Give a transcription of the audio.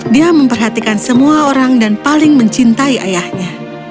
dia memperhatikan semua orang dan paling mencintai ayahnya